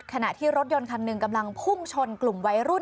ขณะที่รถยนต์คันหนึ่งกำลังพุ่งชนกลุ่มวัยรุ่น